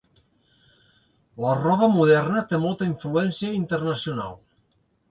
La roba moderna té molta influència internacional.